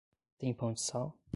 Tem pão de sal?